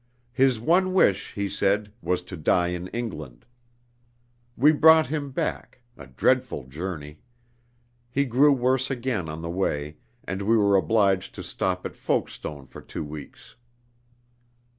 His one wish, he said, was to die in England. We brought him back a dreadful journey. He grew worse again on the way, and we were obliged to stop at Folkestone for two weeks.